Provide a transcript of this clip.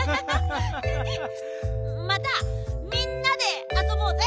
またみんなであそぼうぜ。